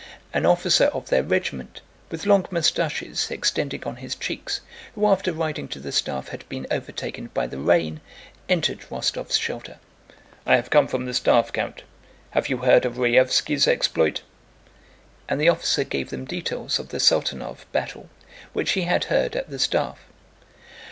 An officer of their regiment, with long mustaches extending onto his cheeks, who after riding to the staff had been overtaken by the rain, entered Rostóv's shelter. "I have come from the staff, Count. Have you heard of Raévski's exploit?" And the officer gave them details of the Saltánov battle, which he had heard at the staff.